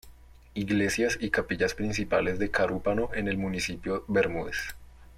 Iglesias y Capillas principales de Carúpano en el Municipio Bermúdez